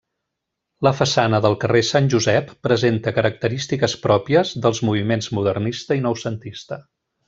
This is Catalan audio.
La façana del carrer Sant Josep presenta característiques pròpies dels moviments modernista i noucentista.